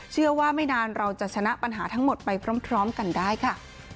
ไม่นานเราจะชนะปัญหาทั้งหมดไปพร้อมกันได้ค่ะ